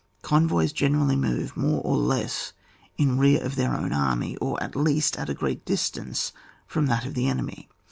Convoys generally move more or less in rear of their own army, or, at least, at a great distance from that of the enemy.